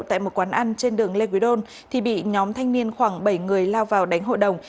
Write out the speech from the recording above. tại một quán ăn trên đường lê quý đôn thì bị nhóm thanh niên khoảng bảy người lao vào đánh hội đồng